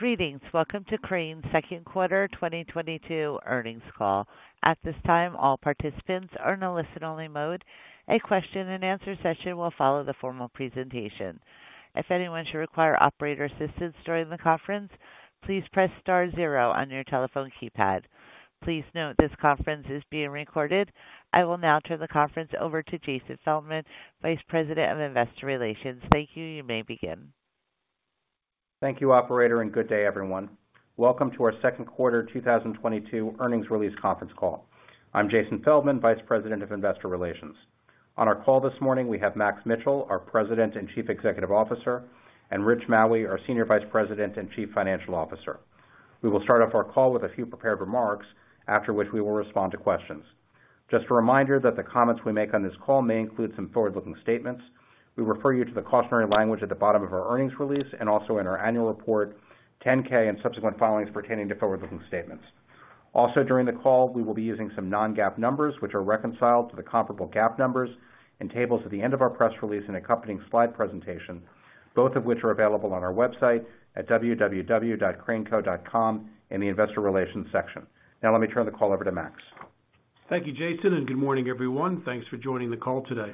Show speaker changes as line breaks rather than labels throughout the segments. Greetings. Welcome to Crane's second quarter 2022 earnings call. At this time, all participants are in a listen-only mode. A question and answer session will follow the formal presentation. If anyone should require operator assistance during the conference, please press star zero on your telephone keypad. Please note this conference is being recorded. I will now turn the conference over to Jason D. Feldman, Vice President of Investor Relations. Thank you. You may begin.
Thank you, operator, and good day, everyone. Welcome to our second quarter 2022 earnings release conference call. I'm Jason D. Feldman, Vice President of Investor Relations. On our call this morning, we have Max Mitchell, our President and Chief Executive Officer, and Rich Maue, our Senior Vice President and Chief Financial Officer. We will start off our call with a few prepared remarks, after which we will respond to questions. Just a reminder that the comments we make on this call may include some forward-looking statements. We refer you to the cautionary language at the bottom of our earnings release and also in our annual report, 10-K and subsequent filings pertaining to forward-looking statements. Also, during the call, we will be using some non-GAAP numbers, which are reconciled to the comparable GAAP numbers in tables at the end of our press release and accompanying slide presentation, both of which are available on our website at www.craneco.com in the investor relations section. Now, let me turn the call over to Max.
Thank you, Jason, and good morning, everyone. Thanks for joining the call today.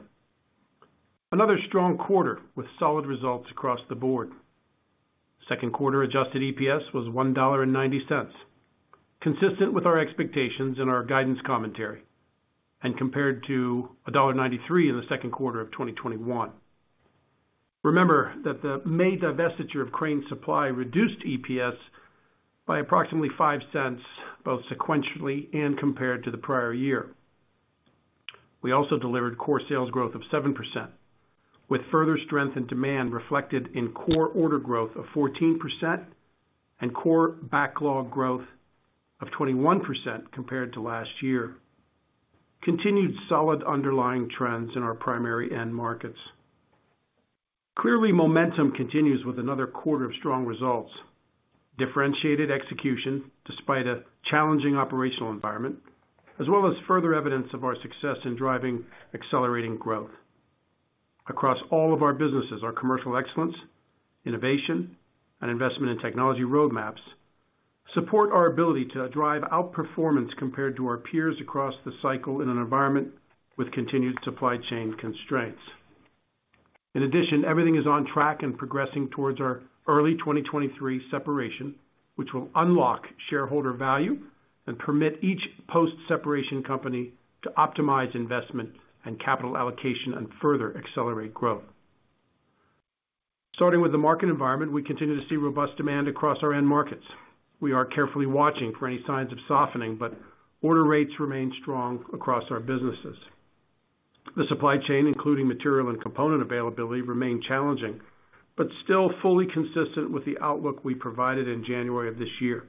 Another strong quarter with solid results across the board. Second quarter adjusted EPS was $1.90, consistent with our expectations and our guidance commentary, and compared to $1.93 in the second quarter of 2021. Remember that the May divestiture of Crane Supply reduced EPS by approximately $0.05, both sequentially and compared to the prior year. We also delivered core sales growth of 7%, with further strength and demand reflected in core order growth of 14% and core backlog growth of 21% compared to last year. Continued solid underlying trends in our primary end markets. Clearly, momentum continues with another quarter of strong results, differentiated execution despite a challenging operational environment, as well as further evidence of our success in driving accelerating growth. Across all of our businesses, our commercial excellence, innovation, and investment in technology roadmaps support our ability to drive outperformance compared to our peers across the cycle in an environment with continued supply chain constraints. In addition, everything is on track and progressing towards our early 2023 separation, which will unlock shareholder value and permit each post-separation company to optimize investment and capital allocation and further accelerate growth. Starting with the market environment, we continue to see robust demand across our end markets. We are carefully watching for any signs of softening, but order rates remain strong across our businesses. The supply chain, including material and component availability, remain challenging, but still fully consistent with the outlook we provided in January of this year.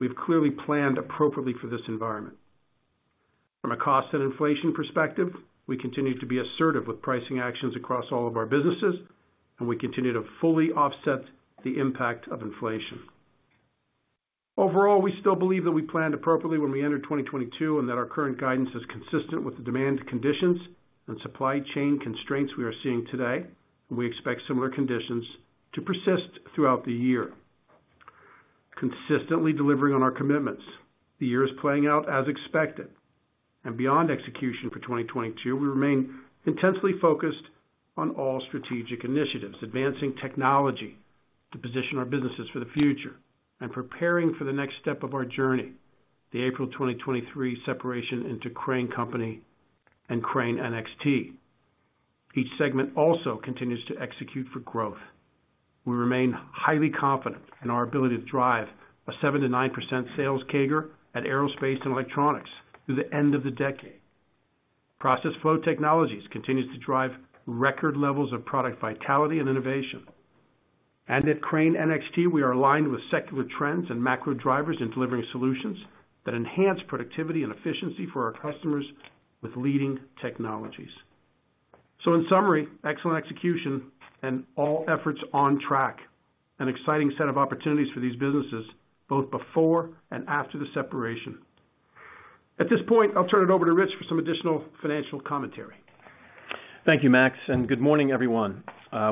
We've clearly planned appropriately for this environment. From a cost and inflation perspective, we continue to be assertive with pricing actions across all of our businesses, and we continue to fully offset the impact of inflation. Overall, we still believe that we planned appropriately when we entered 2022 and that our current guidance is consistent with the demand conditions and supply chain constraints we are seeing today, and we expect similar conditions to persist throughout the year. Consistently delivering on our commitments, the year is playing out as expected. Beyond execution for 2022, we remain intensely focused on all strategic initiatives, advancing technology to position our businesses for the future and preparing for the next step of our journey, the April 2023 separation into Crane Company and Crane NXT. Each segment also continues to execute for growth. We remain highly confident in our ability to drive a 7%–9% sales CAGR at Aerospace & Electronics through the end of the decade. Process Flow Technologies continues to drive record levels of product vitality and innovation. At Crane NXT, we are aligned with secular trends and macro drivers in delivering solutions that enhance productivity and efficiency for our customers with leading technologies. In summary, excellent execution and all efforts on track. An exciting set of opportunities for these businesses, both before and after the separation. At this point, I'll turn it over to Rich for some additional financial commentary.
Thank you, Max, and good morning, everyone.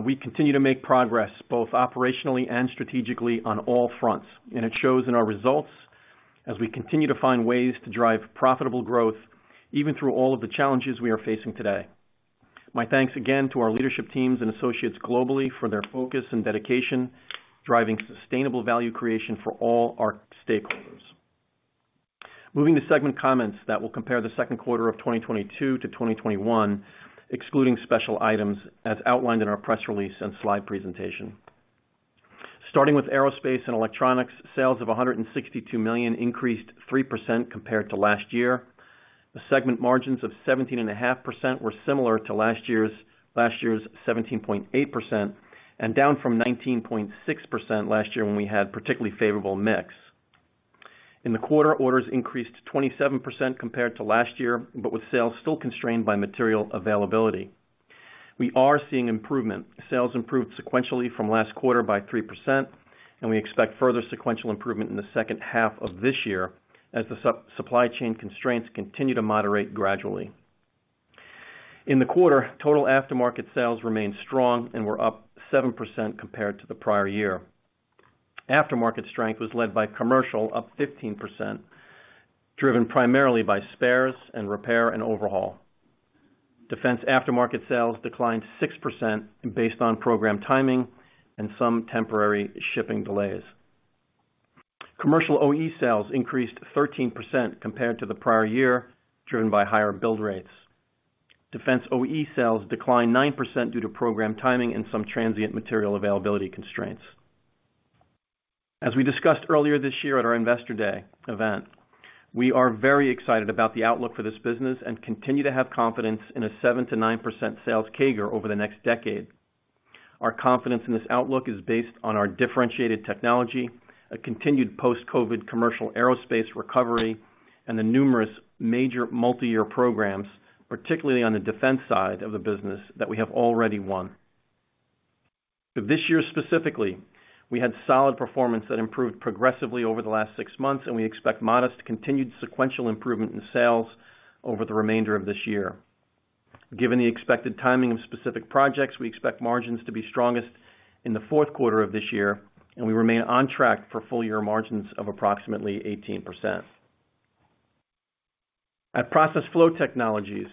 We continue to make progress both operationally and strategically on all fronts, and it shows in our results as we continue to find ways to drive profitable growth, even through all of the challenges we are facing today. My thanks again to our leadership teams and associates globally for their focus and dedication, driving sustainable value creation for all our stakeholders. Moving to segment comments that will compare the second quarter of 2022 to 2021, excluding special items as outlined in our press release and slide presentation. Starting with Aerospace & Electronics, sales of $162 million increased 3% compared to last year. The segment margins of 17.5% were similar to last year's 17.8% and down from 19.6% last year when we had particularly favorable mix. In the quarter, orders increased 27% compared to last year, but with sales still constrained by material availability. We are seeing improvement. Sales improved sequentially from last quarter by 3%, and we expect further sequential improvement in the second half of this year as the supply chain constraints continue to moderate gradually. In the quarter, total aftermarket sales remained strong and were up 7% compared to the prior year. Aftermarket strength was led by commercial, up 15%, driven primarily by spares and repair and overhaul. Defense aftermarket sales declined 6% based on program timing and some temporary shipping delays. Commercial OE sales increased 13% compared to the prior year, driven by higher build rates. Defense OE sales declined 9% due to program timing and some transient material availability constraints. As we discussed earlier this year at our Investor Day event, we are very excited about the outlook for this business and continue to have confidence in a 7%-9% sales CAGR over the next decade. Our confidence in this outlook is based on our differentiated technology, a continued post-COVID commercial aerospace recovery, and the numerous major multi-year programs, particularly on the defense side of the business, that we have already won. This year specifically, we had solid performance that improved progressively over the last six months, and we expect modest continued sequential improvement in sales over the remainder of this year. Given the expected timing of specific projects, we expect margins to be strongest in the fourth quarter of this year, and we remain on track for full year margins of approximately 18%. At Process Flow Technologies,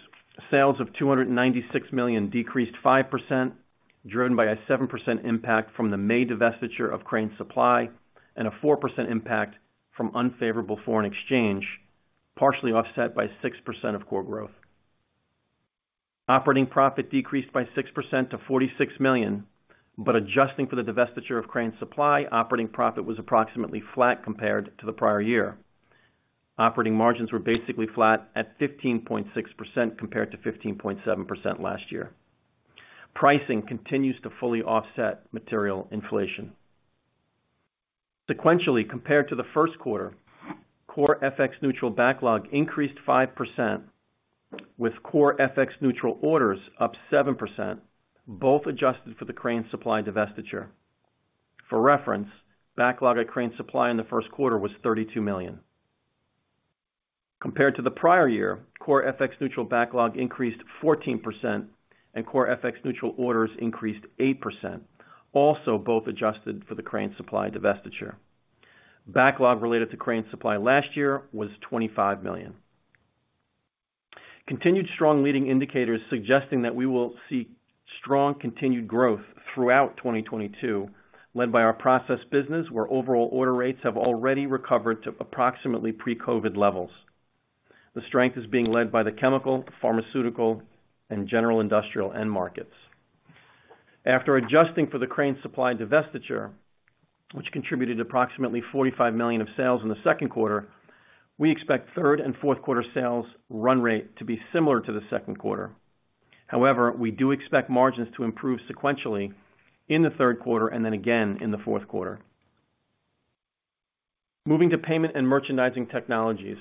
sales of $296 million decreased 5%, driven by a 7% impact from the May divestiture of Crane Supply and a 4% impact from unfavorable foreign exchange, partially offset by 6% of core growth. Operating profit decreased by 6% to $46 million, but adjusting for the divestiture of Crane Supply, operating profit was approximately flat compared to the prior year. Operating margins were basically flat at 15.6% compared to 15.7% last year. Pricing continues to fully offset material inflation. Sequentially, compared to the first quarter, core FX neutral backlog increased 5%, with core FX neutral orders up 7%, both adjusted for the Crane Supply divestiture. For reference, backlog at Crane Supply in the first quarter was $32 million. Compared to the prior year, core FX neutral backlog increased 14% and core FX neutral orders increased 8%, also both adjusted for the Crane Supply divestiture. Backlog related to Crane Supply last year was $25 million. Continued strong leading indicators suggesting that we will see strong continued growth throughout 2022, led by our process business, where overall order rates have already recovered to approximately pre-COVID levels. The strength is being led by the chemical, pharmaceutical, and general industrial end markets. After adjusting for the Crane Supply divestiture, which contributed approximately $45 million of sales in the second quarter, we expect third and fourth quarter sales run rate to be similar to the second quarter. However, we do expect margins to improve sequentially in the third quarter and then again in the fourth quarter. Moving to Payment & Merchandising Technologies,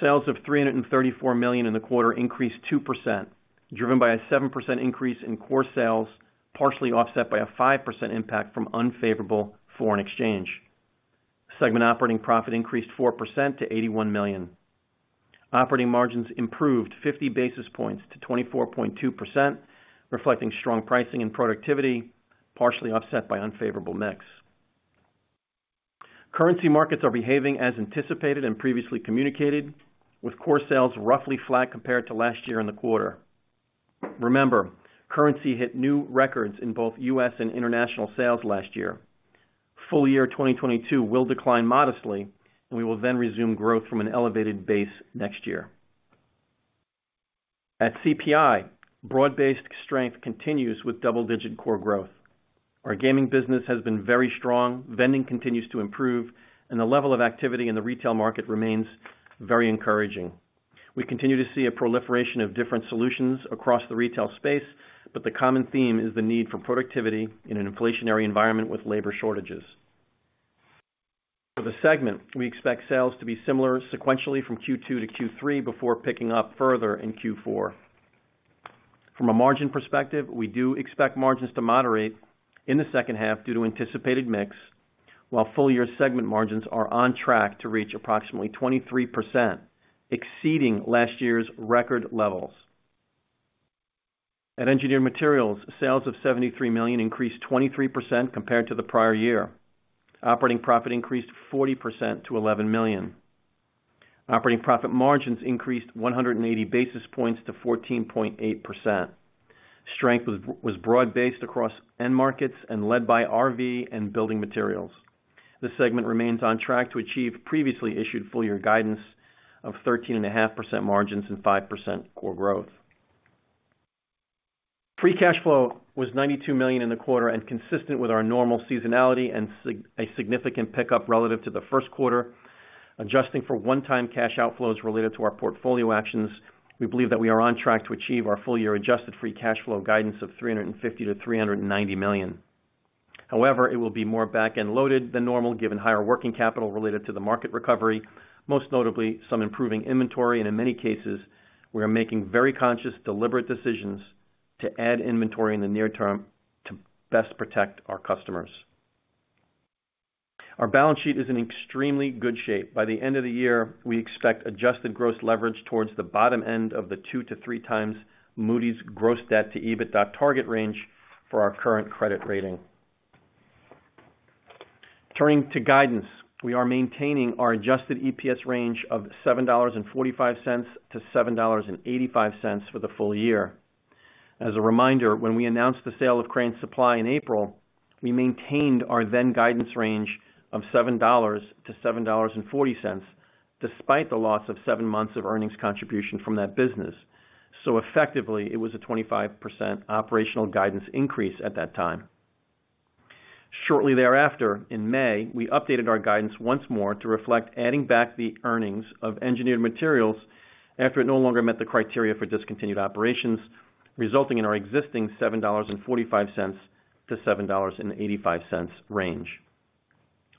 sales of $334 million in the quarter increased 2%, driven by a 7% increase in core sales, partially offset by a 5% impact from unfavorable foreign exchange. Segment operating profit increased 4% to $81 million. Operating margins improved 50 basis points to 24.2%, reflecting strong pricing and productivity, partially offset by unfavorable mix. Currency markets are behaving as anticipated and previously communicated, with core sales roughly flat compared to last year in the quarter. Remember, currency hit new records in both U.S. and international sales last year. Full year 2022 will decline modestly, and we will then resume growth from an elevated base next year. At CPI, broad-based strength continues with double-digit core growth. Our gaming business has been very strong, vending continues to improve, and the level of activity in the retail market remains very encouraging. We continue to see a proliferation of different solutions across the retail space, but the common theme is the need for productivity in an inflationary environment with labor shortages. For the segment, we expect sales to be similar sequentially from Q2 to Q3 before picking up further in Q4. From a margin perspective, we do expect margins to moderate in the second half due to anticipated mix, while full year segment margins are on track to reach approximately 23%, exceeding last year's record levels. At Engineered Materials, sales of $73 million increased 23% compared to the prior year. Operating profit increased 40% to $11 million. Operating profit margins increased 180 basis points to 14.8%. Strength was broad-based across end markets and led by RV and building materials. This segment remains on track to achieve previously issued full year guidance of 13.5% margins and 5% core growth. Free cash flow was $92 million in the quarter and consistent with our normal seasonality and a significant pickup relative to the first quarter. Adjusting for one-time cash outflows related to our portfolio actions, we believe that we are on track to achieve our full year adjusted free cash flow guidance of $350 million-$390 million. However, it will be more back-end loaded than normal given higher working capital related to the market recovery, most notably some improving inventory, and in many cases, we are making very conscious, deliberate decisions to add inventory in the near term to best protect our customers. Our balance sheet is in extremely good shape. By the end of the year, we expect adjusted gross leverage towards the bottom end of the two to three times Moody's gross debt to EBITDA target range for our current credit rating. Turning to guidance, we are maintaining our adjusted EPS range of $7.45-$7.85 for the full year. As a reminder, when we announced the sale of Crane Supply in April, we maintained our then guidance range of $7-$7.40, despite the loss of seven months of earnings contribution from that business. Effectively, it was a 25% operational guidance increase at that time. Shortly thereafter, in May, we updated our guidance once more to reflect adding back the earnings of Engineered Materials after it no longer met the criteria for discontinued operations, resulting in our existing $7.45-$7.85 range.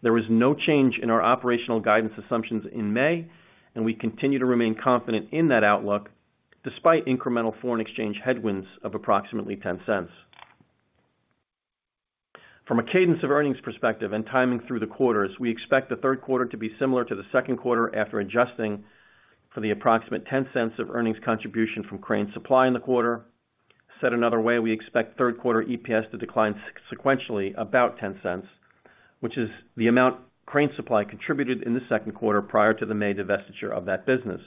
There was no change in our operational guidance assumptions in May, and we continue to remain confident in that outlook, despite incremental foreign exchange headwinds of approximately $0.10. From a cadence of earnings perspective and timing through the quarters, we expect the third quarter to be similar to the second quarter after adjusting for the approximate $0.10 of earnings contribution from Crane Supply in the quarter. Said another way, we expect third quarter EPS to decline sequentially about $0.10, which is the amount Crane Supply contributed in the second quarter prior to the May divestiture of that business.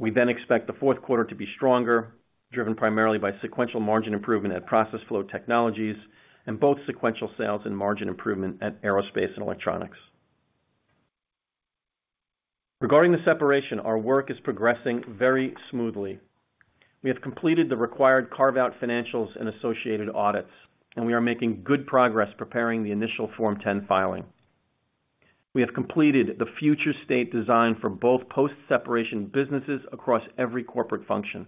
We then expect the fourth quarter to be stronger, driven primarily by sequential margin improvement at Process Flow Technologies and both sequential sales and margin improvement at Aerospace & Electronics. Regarding the separation, our work is progressing very smoothly. We have completed the required carve-out financials and associated audits, and we are making good progress preparing the initial Form 10 filing. We have completed the future state design for both post-separation businesses across every corporate function.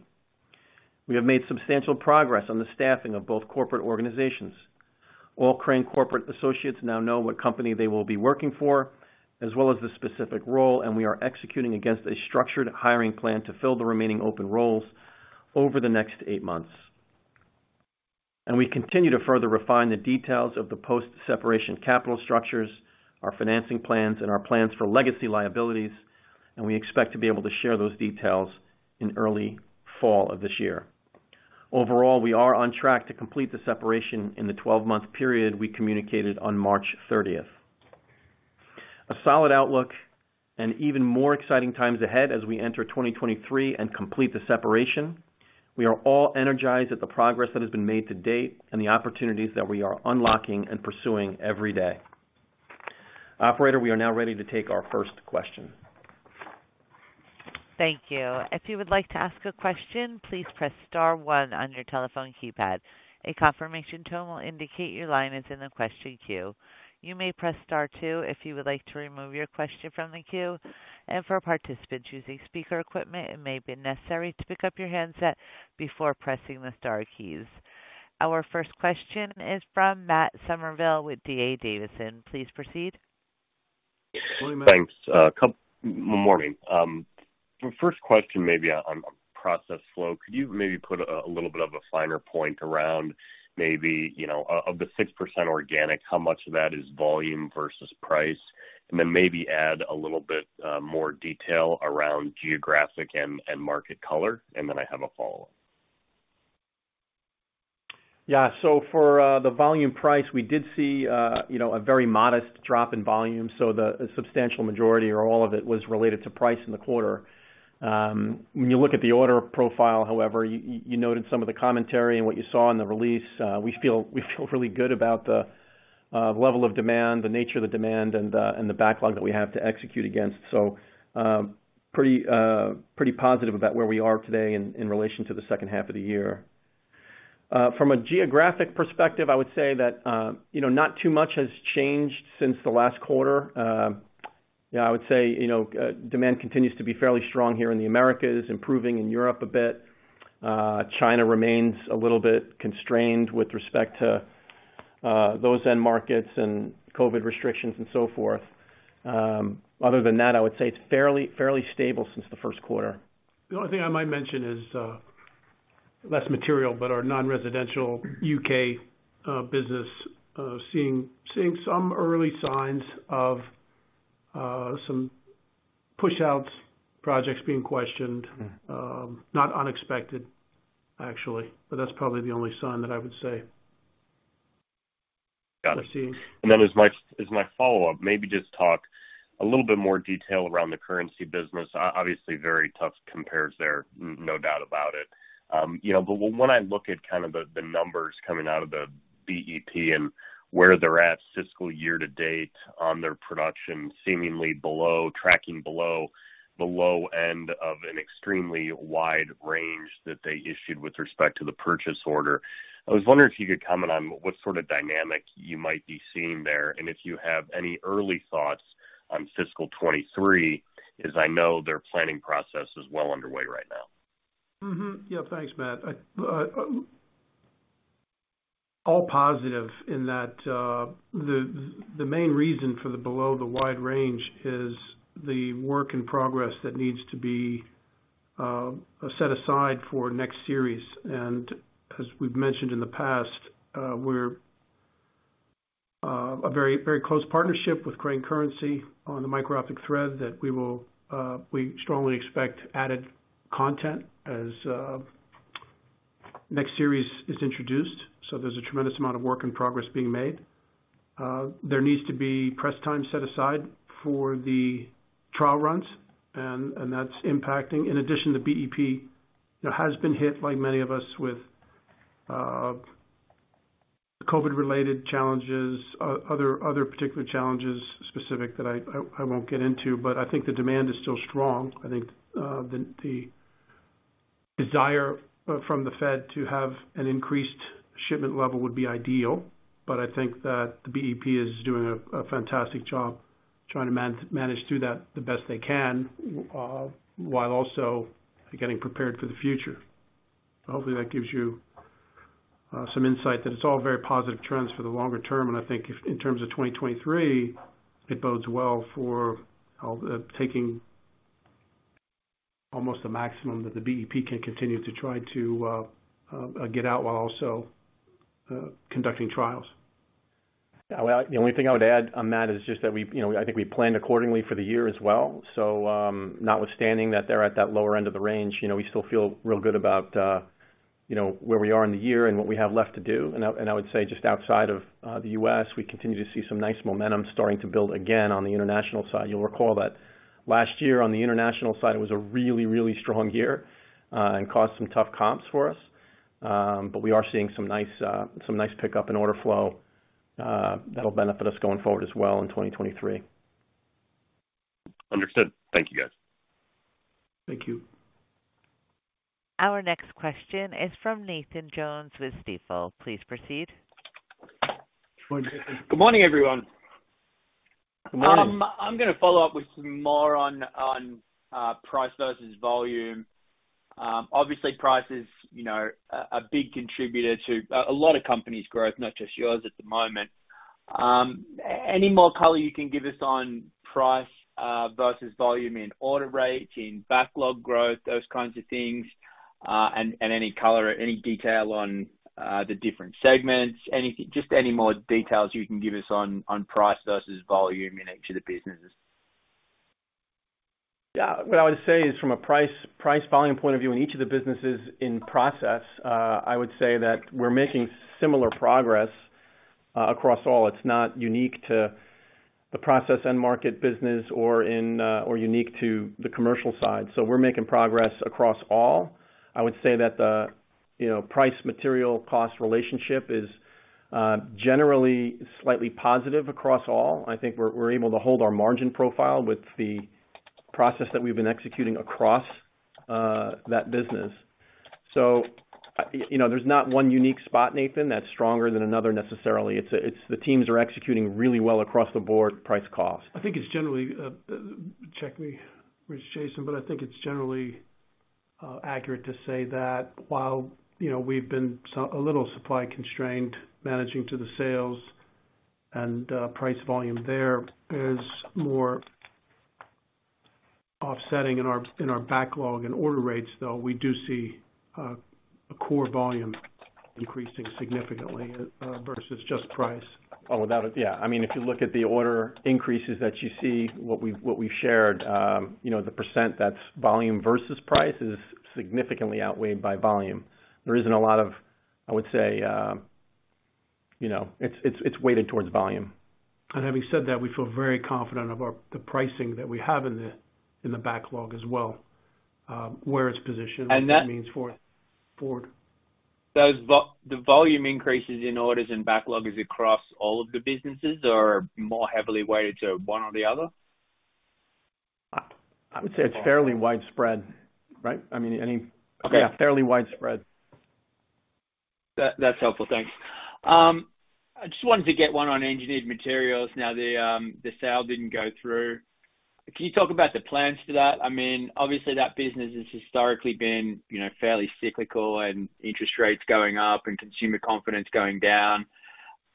We have made substantial progress on the staffing of both corporate organizations. All Crane corporate associates now know what company they will be working for, as well as the specific role, and we are executing against a structured hiring plan to fill the remaining open roles over the next 8 months. We continue to further refine the details of the post-separation capital structures, our financing plans, and our plans for legacy liabilities, and we expect to be able to share those details in early fall of this year. Overall, we are on track to complete the separation in the 12-month period we communicated on March 30. A solid outlook and even more exciting times ahead as we enter 2023 and complete the separation. We are all energized at the progress that has been made to date and the opportunities that we are unlocking and pursuing every day. Operator, we are now ready to take our first question.
Thank you. If you would like to ask a question, please press star one on your telephone keypad. A confirmation tone will indicate your line is in the question queue. You may press Star two if you would like to remove your question from the queue. For participants using speaker equipment, it may be necessary to pick up your handset before pressing the star keys. Our first question is from Matt Summerville with D.A. Davidson. Please proceed.
Thanks. Good morning. First question may be on Process Flow. Could you maybe put a little bit of a finer point around maybe, you know, of the 6% organic, how much of that is volume versus price? Then maybe add a little bit more detail around geographic and market color. I have a follow-up.
Yeah. For the volume price, we did see you know a very modest drop in volume. The substantial majority or all of it was related to price in the quarter. When you look at the order profile, however, you noted some of the commentary and what you saw in the release, we feel really good about the level of demand, the nature of the demand, and the backlog that we have to execute against. Pretty positive about where we are today in relation to the second half of the year. From a geographic perspective, I would say that you know not too much has changed since the last quarter. Yeah, I would say, you know, demand continues to be fairly strong here in the Americas, improving in Europe a bit. China remains a little bit constrained with respect to those end markets and COVID restrictions and so forth. Other than that, I would say it's fairly stable since the first quarter.
The only thing I might mention is less material, but our non-residential U.K. business seeing some early signs of some push-outs projects being questioned. Not unexpected, actually, but that's probably the only sign that I would say.
Got it.
I've seen.
Then as my follow-up, maybe just talk a little bit more detail around the currency business. Obviously very tough compares there, no doubt about it. You know, but when I look at kind of the numbers coming out of the BEP and where they're at fiscal year to date on their production, seemingly below, tracking below the low end of an extremely wide range that they issued with respect to the purchase order. I was wondering if you could comment on what sort of dynamic you might be seeing there, and if you have any early thoughts on fiscal 2023, as I know their planning process is well underway right now.
Mm-hmm. Yeah. Thanks, Matt. It's all positive in that the main reason for the below the guide range is the work in progress that needs to be set aside for next series. As we've mentioned in the past, we're a very, very close partnership with Crane Currency on the micro-optic thread that we strongly expect added content as next series is introduced. There's a tremendous amount of work in progress being made. There needs to be press time set aside for the trial runs, and that's impacting. In addition, the BEP, you know, has been hit like many of us with COVID-related challenges, other particular challenges specific that I won't get into. I think the demand is still strong. I think the desire from the Fed to have an increased shipment level would be ideal, but I think that the BEP is doing a fantastic job trying to manage through that the best they can, while also getting prepared for the future. Hopefully, that gives you some insight that it's all very positive trends for the longer term, and I think if in terms of 2023, it bodes well for all the taking almost the maximum that the BEP can continue to try to get out while also conducting trials.
Yeah. Well, the only thing I would add on that is just that we've you know, I think we planned accordingly for the year as well. Notwithstanding that they're at that lower end of the range, you know, we still feel real good about, you know, where we are in the year and what we have left to do. I would say just outside of the U.S., we continue to see some nice momentum starting to build again on the international side. You'll recall that last year on the international side, it was a really, really strong year, and caused some tough comps for us. We are seeing some nice pickup and order flow, that'll benefit us going forward as well in 2023.
Understood. Thank you, guys.
Thank you.
Our next question is from Nathan Jones with Stifel. Please proceed.
Good morning.
Good morning.
I'm gonna follow up with some more on price versus volume. Obviously price is, you know, a big contributor to a lot of companies growth, not just yours at the moment. Any more color you can give us on price versus volume in order rates, in backlog growth, those kinds of things, and any color or any detail on the different segments? Just any more details you can give us on price versus volume in each of the businesses.
Yeah. What I would say is from a price volume point of view in each of the businesses in process, I would say that we're making similar progress across all. It's not unique to the process end market business or unique to the commercial side. We're making progress across all. I would say that the, you know, price material cost relationship is generally slightly positive across all. I think we're able to hold our margin profile with the process that we've been executing across that business. You know, there's not one unique spot, Nathan, that's stronger than another necessarily. It's the teams are executing really well across the board price cost.
I think it's generally, check me with Jason, but I think it's generally accurate to say that while, you know, we've been a little supply constrained managing to the sales and price volume, there is more offsetting in our backlog and order rates, though we do see a core volume increasing significantly versus just price.
Yeah. I mean, if you look at the order increases that you see, what we've shared, you know, the percent that's volume versus price is significantly outweighed by volume. There isn't a lot of, I would say, you know. It's weighted towards volume.
Having said that, we feel very confident about the pricing that we have in the backlog as well, where it's positioned.
And that-
What that means going forward.
The volume increases in orders and backlogs is across all of the businesses or more heavily weighted to one or the other?
I would say it's fairly widespread, right? I mean, any
Okay.
Yeah, fairly widespread.
That, that's helpful. Thanks. I just wanted to get one on Engineered Materials. Now, the sale didn't go through. Can you talk about the plans for that? I mean, obviously that business has historically been, you know, fairly cyclical and interest rates going up and consumer confidence going down.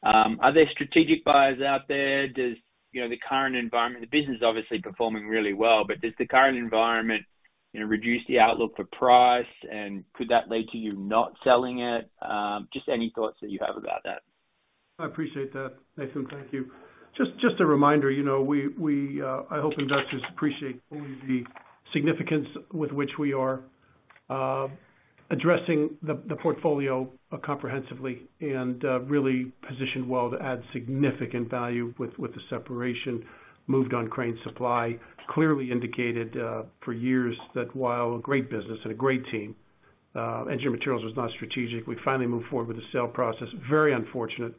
Are there strategic buyers out there? Does, you know, the current environment. The business is obviously performing really well, but does the current environment, you know, reduce the outlook for price? Could that lead to you not selling it? Just any thoughts that you have about that.
I appreciate that, Nathan. Thank you. Just a reminder, you know, we hope investors appreciate fully the significance with which we are addressing the portfolio comprehensively and really positioned well to add significant value with the separation moved on Crane Supply. Clearly indicated for years that while a great business and a great team, Engineered Materials was not strategic. We finally moved forward with the sale process. Very unfortunate,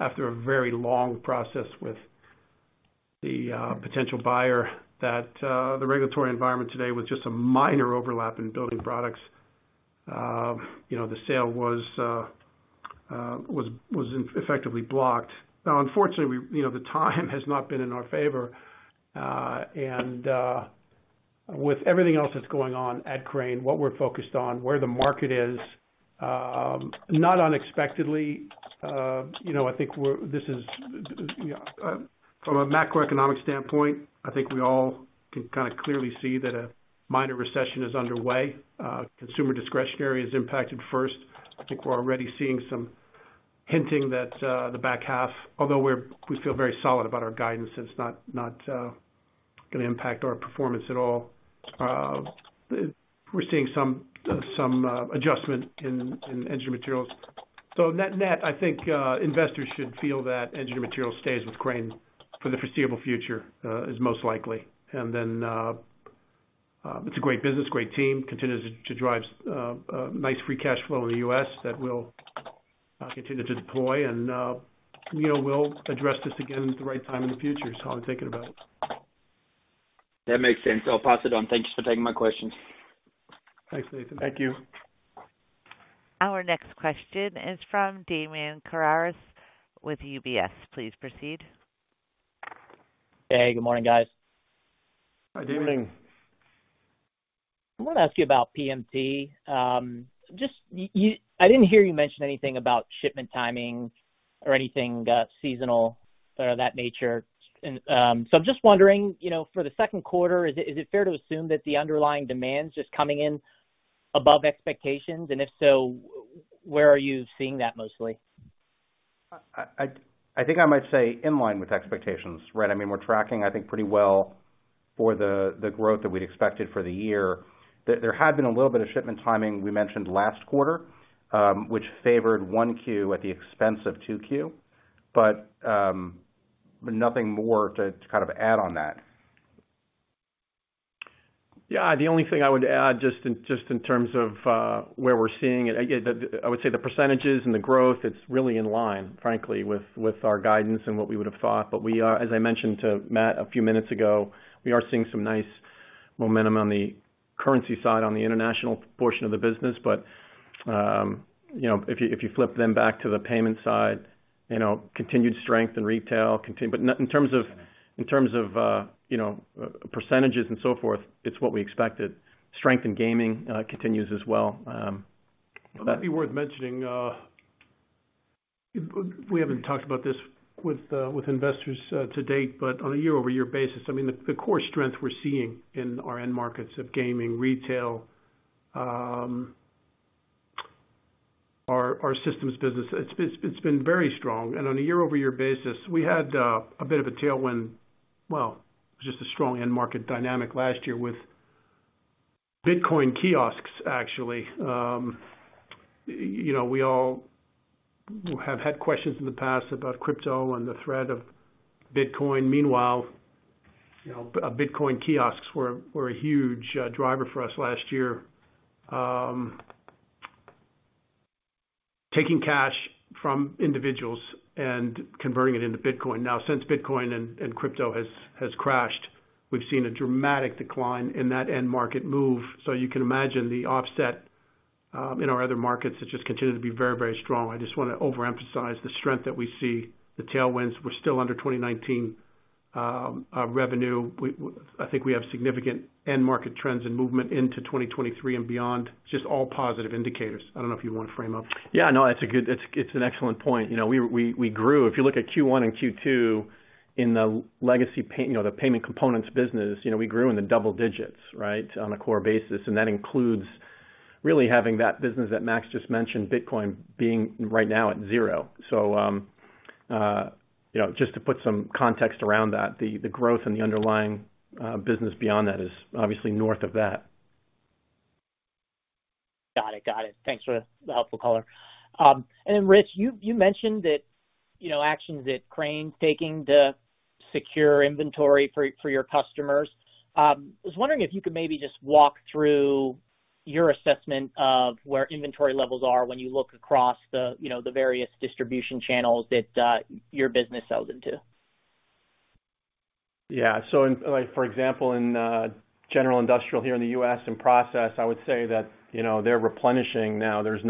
after a very long process with the potential buyer that the regulatory environment today with just a minor overlap in building products, the sale was effectively blocked. Now, unfortunately, the time has not been in our favor, and with everything else that's going on at Crane, what we're focused on, where the market is.
Not unexpectedly. You know, I think this is, you know, from a macroeconomic standpoint, I think we all can kind of clearly see that a minor recession is underway. Consumer discretionary is impacted first. I think we're already seeing some hinting that the back half, although we feel very solid about our guidance, it's not gonna impact our performance at all. We're seeing some adjustment in Engineered Materials. Net, I think investors should feel that Engineered Materials stays with Crane for the foreseeable future, is most likely. It's a great business, great team, continues to drive nice free cash flow in the U.S. that we'll continue to deploy and, you know, we'll address this again at the right time in the future is how I'm thinking about it.
That makes sense. I'll pass it on. Thank you for taking my questions.
Thanks, Nathan.
Thank you.
Our next question is from Damian Karas with UBS. Please proceed.
Hey, good morning, guys.
Hi, Damian.
Good morning.
I wanna ask you about PMT. Just, I didn't hear you mention anything about shipment timing or anything, seasonal or that nature. I'm just wondering, you know, for the second quarter, is it fair to assume that the underlying demand's just coming in above expectations? If so, where are you seeing that mostly?
I think I might say in line with expectations, right? I mean, we're tracking, I think, pretty well for the growth that we'd expected for the year. There had been a little bit of shipment timing we mentioned last quarter, which favored one Q at the expense of two Q. Nothing more to kind of add on that.
Yeah. The only thing I would add just in terms of where we're seeing it, again, I would say the percentages and the growth. It's really in line, frankly, with our guidance and what we would've thought. We are, as I mentioned to Matt a few minutes ago, seeing some nice momentum on the currency side, on the international portion of the business. You know, if you flip then back to the payment side, you know, continued strength in retail. In terms of percentages and so forth, it's what we expected. Strength in gaming continues as well.
It might be worth mentioning, we haven't talked about this with investors to date, but on a year-over-year basis, I mean, the core strength we're seeing in our end markets of gaming, retail, our systems business, it's been very strong. On a year-over-year basis, we had a bit of a tailwind. Well, just a strong end market dynamic last year with Bitcoin kiosks, actually. You know, we all have had questions in the past about crypto and the threat of Bitcoin. Meanwhile, you know, Bitcoin kiosks were a huge driver for us last year, taking cash from individuals and converting it into Bitcoin. Now, since Bitcoin and crypto has crashed, we've seen a dramatic decline in that end market move. You can imagine the offset in our other markets that just continue to be very, very strong. I just wanna overemphasize the strength that we see, the tailwinds. We're still under 2019 revenue. I think we have significant end market trends and movement into 2023 and beyond. Just all positive indicators. I don't know if you wanna frame up.
Yeah, no, that's a good point. It's an excellent point. You know, we grew. If you look at Q1 and Q2 in the legacy payment, you know, the payment components business, you know, we grew in the double digits, right, on a core basis, and that includes really having that business that Max just mentioned, Bitcoin being right now at zero. You know, just to put some context around that, the growth in the underlying business beyond that is obviously north of that.
Got it. Thanks for the helpful color. Rich, you mentioned that, you know, actions that Crane's taking to secure inventory for your customers. I was wondering if you could maybe just walk through your assessment of where inventory levels are when you look across the, you know, the various distribution channels that your business sells into.
Yeah. For example, in general industrial here in the U.S. and process, I would say that, you know, they're replenishing now. There's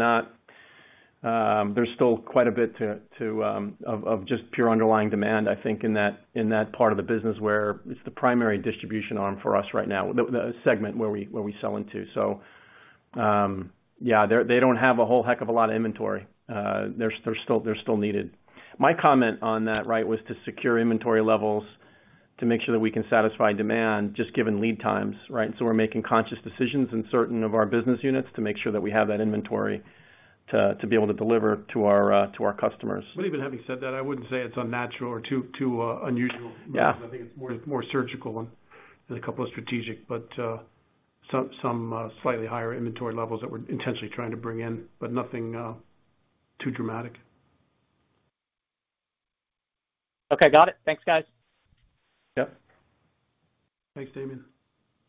still quite a bit of just pure underlying demand, I think, in that part of the business where it's the primary distribution arm for us right now, the segment where we sell into. Yeah, they don't have a whole heck of a lot of inventory. They're still needed. My comment on that, right, was to secure inventory levels to make sure that we can satisfy demand just given lead times, right? We're making conscious decisions in certain of our business units to make sure that we have that inventory to be able to deliver to our customers.
Even having said that, I wouldn't say it's unnatural or too unusual.
Yeah.
I think it's more surgical and a couple of strategic, but some slightly higher inventory levels that we're intentionally trying to bring in, but nothing too dramatic.
Okay. Got it. Thanks, guys.
Yep.
Thanks, Damian.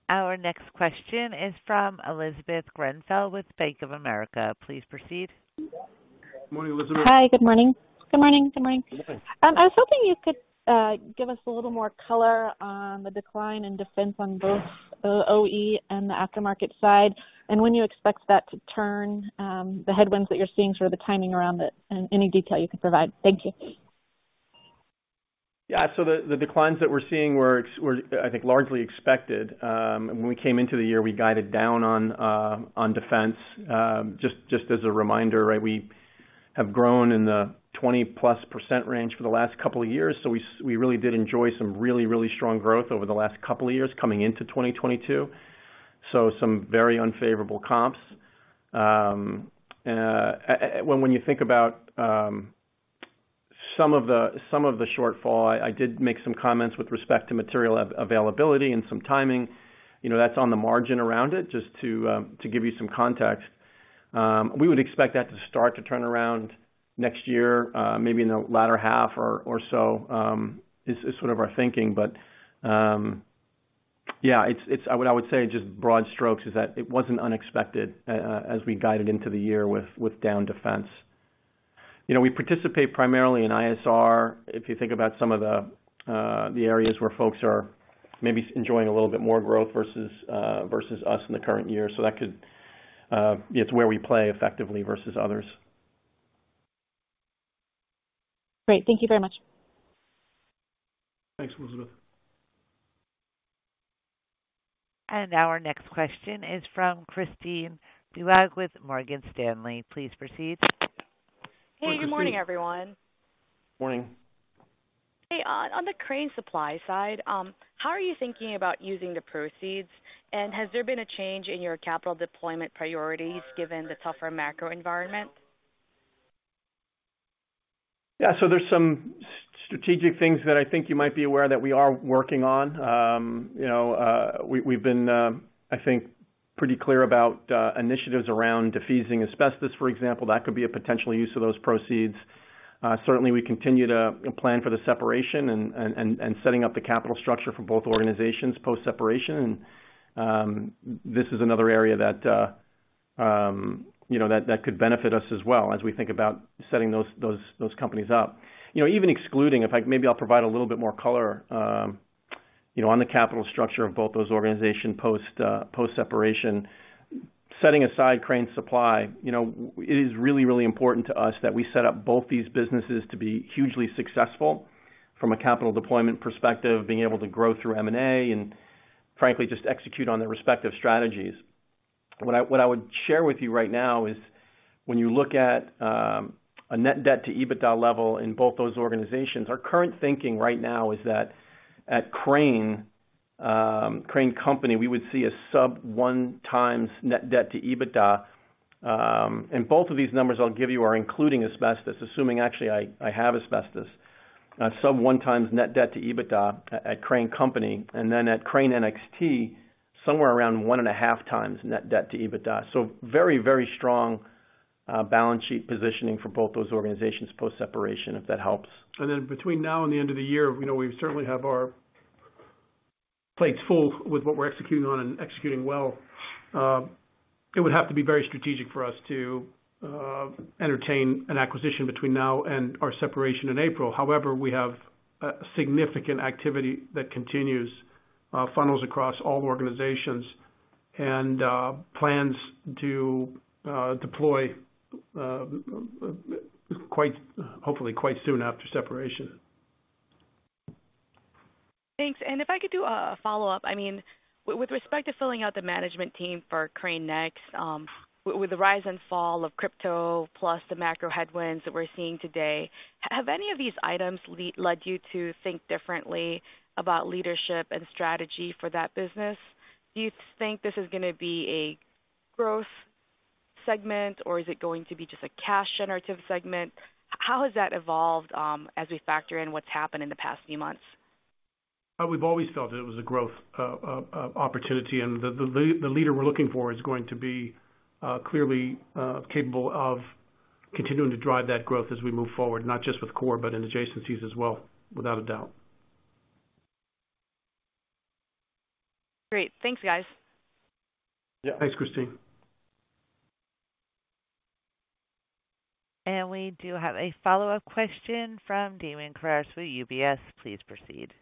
Our next question is from Elizabeth Grayfer with Bank of America. Please proceed.
Morning, Elizabeth.
Hi. Good morning. Good morning. Good morning.
Good morning.
I was hoping you could give us a little more color on the decline in defense on both OE and the aftermarket side, and when you expect that to turn, the headwinds that you're seeing, sort of the timing around it and any detail you can provide. Thank you.
Yeah. The declines that we're seeing were, I think, largely expected. When we came into the year, we guided down on defense. Just as a reminder, right? We have grown in the 20+% range for the last couple of years. We really did enjoy some really strong growth over the last couple of years coming into 2022. Some very unfavorable comps. When you think about some of the shortfall, I did make some comments with respect to material availability and some timing, you know, that's on the margin around it, just to give you some context. We would expect that to start to turn around next year, maybe in the latter half or so, is sort of our thinking. What I would say, just broad strokes, is that it wasn't unexpected, as we guided into the year with down defense. You know, we participate primarily in ISR. If you think about some of the areas where folks are maybe enjoying a little bit more growth versus us in the current year. That could. It's where we play effectively versus others.
Great. Thank you very much.
Thanks, Elizabeth.
Our next question is from Christina Cristiano with Morgan Stanley. Please proceed.
Morgan Stanley.
Hey, good morning, everyone.
Morning.
Hey, on the Crane Supply side, how are you thinking about using the proceeds, and has there been a change in your capital deployment priorities given the tougher macro environment?
Yeah. There's some strategic things that I think you might be aware that we are working on. You know, we've been, I think, pretty clear about initiatives around defeasing asbestos, for example. That could be a potential use of those proceeds. Certainly we continue to plan for the separation and setting up the capital structure for both organizations post-separation. This is another area that, you know, that could benefit us as well as we think about setting those companies up. You know, even excluding, maybe I'll provide a little bit more color, you know, on the capital structure of both those organizations post-separation. Setting aside Crane Supply, you know, it is really, really important to us that we set up both these businesses to be hugely successful from a capital deployment perspective, being able to grow through M&A, and frankly, just execute on their respective strategies. What I would share with you right now is when you look at a net debt to EBITDA level in both those organizations, our current thinking right now is that at Crane Company, we would see a sub 1x net debt to EBITDA. Both of these numbers I'll give you are including asbestos, assuming actually I have asbestos. Sub 1x net debt to EBITDA at Crane Company, and then at Crane NXT, somewhere around 1.5x net debt to EBITDA. Very, very strong balance sheet positioning for both those organizations post-separation, if that helps.
Between now and the end of the year, you know, we certainly have our plates full with what we're executing on and executing well. It would have to be very strategic for us to entertain an acquisition between now and our separation in April. However, we have significant activity that continues to funnel across all organizations and plans to deploy quite, hopefully quite soon after separation.
Thanks. If I could do a follow-up, I mean, with respect to filling out the management team for Crane NXT, with the rise and fall of crypto plus the macro headwinds that we're seeing today, have any of these items led you to think differently about leadership and strategy for that business? Do you think this is gonna be a growth segment, or is it going to be just a cash generative segment? How has that evolved, as we factor in what's happened in the past few months?
We've always felt that it was a growth opportunity, and the leader we're looking for is going to be clearly capable of continuing to drive that growth as we move forward, not just with core, but in adjacencies as well, without a doubt.
Great. Thanks, guys.
Yeah.
Thanks, Christina.
We do have a follow-up question from Damian Karas with UBS. Please proceed.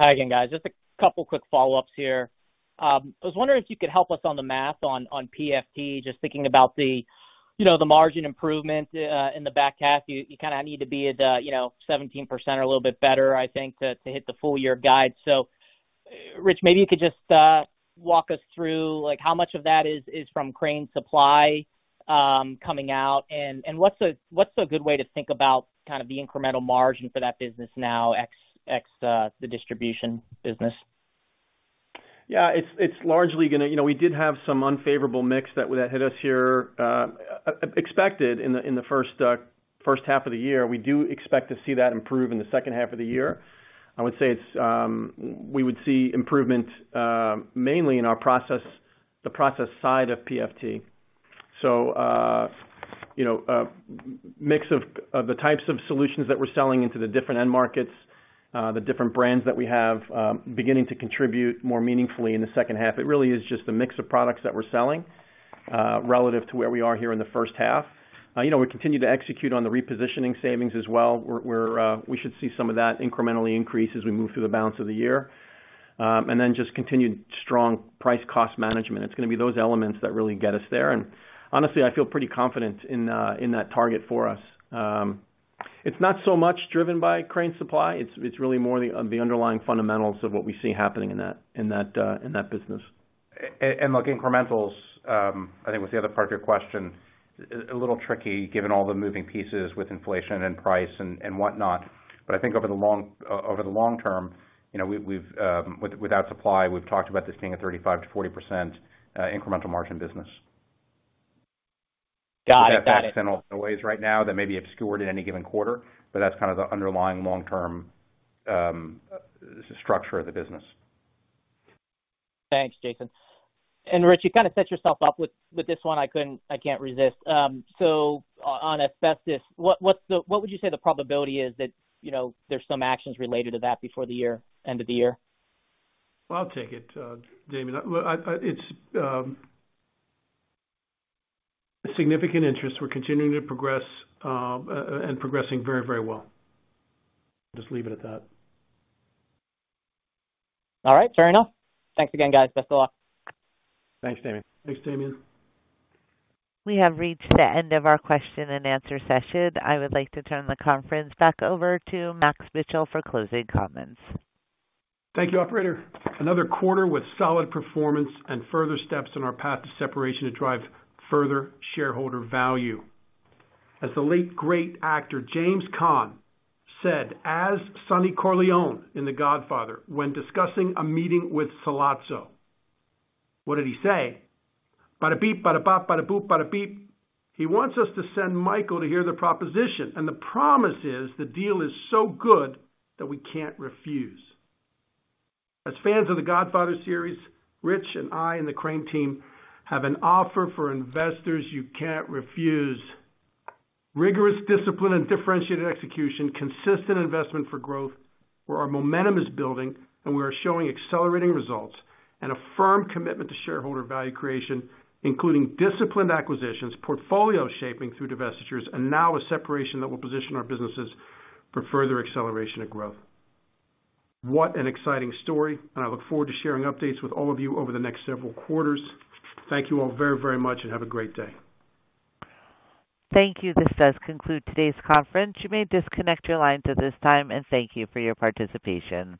Hi again, guys. Just a couple quick follow-ups here. I was wondering if you could help us on the math on PFT, just thinking about the margin improvement in the back half. You kinda need to be at seventeen percent or a little bit better, I think, to hit the full year guide. Rich, maybe you could just walk us through, like how much of that is from Crane Supply coming out, and what's a good way to think about kind of the incremental margin for that business now ex the distribution business?
Yeah. It's largely gonna. You know, we did have some unfavorable mix that hit us here, expected in the first half of the year. We do expect to see that improve in the second half of the year. I would say we would see improvement mainly in our process, the process side of PFT. You know, a mix of the types of solutions that we're selling into the different end markets, the different brands that we have, beginning to contribute more meaningfully in the second half. It really is just a mix of products that we're selling relative to where we are here in the first half. You know, we continue to execute on the repositioning savings as well, where we should see some of that incrementally increase as we move through the balance of the year. Just continued strong price cost management. It's gonna be those elements that really get us there. Honestly, I feel pretty confident in that target for us. It's not so much driven by Crane Supply. It's really more the underlying fundamentals of what we see happening in that business.
Look, incrementals, I think was the other part of your question, a little tricky given all the moving pieces with inflation and price and whatnot. I think over the long term, you know, without supply, we've talked about this being a 35%-40% incremental margin business.
Got it. Got it.
ways right now that may be obscured at any given quarter, but that's kind of the underlying long-term structure of the business.
Thanks, Jason. Rich, you kinda set yourself up with this one. I can't resist. On asbestos, what would you say the probability is that, you know, there's some actions related to that before end of the year?
I'll take it, Damian Karas. Look, it's significant interest. We're continuing to progress and progressing very, very well. Just leave it at that.
All right, fair enough. Thanks again, guys. Best of luck.
Thanks, Damian. Thanks, Damian.
We have reached the end of our question and answer session. I would like to turn the conference back over to Max Mitchell for closing comments.
Thank you, operator. Another quarter with solid performance and further steps on our path to separation to drive further shareholder value. As the late great actor, James Caan, said, as Sonny Corleone in The Godfather when discussing a meeting with Sollozzo, what did he say? Ba-da-beep, ba-da-bop, ba-da-boop, ba-da-beep. He wants us to send Michael to hear the proposition, and the promise is the deal is so good that we can't refuse. As fans of The Godfather series, Rich and I and the Crane team have an offer for investors you can't refuse. Rigorous discipline and differentiated execution, consistent investment for growth where our momentum is building, and we are showing accelerating results and a firm commitment to shareholder value creation, including disciplined acquisitions, portfolio shaping through divestitures, and now a separation that will position our businesses for further acceleration and growth. What an exciting story, and I look forward to sharing updates with all of you over the next several quarters. Thank you all very, very much and have a great day.
Thank you. This does conclude today's conference. You may disconnect your lines at this time, and thank you for your participation.